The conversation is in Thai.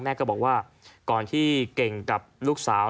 ก็บอกว่าก่อนที่เก่งกับลูกสาว